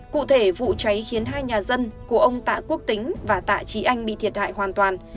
cụ thể vụ cháy khiến hai nhà dân của ông tạ quốc tính và tạ trí anh bị thiệt hại hoàn toàn